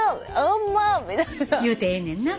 言うてええねんな。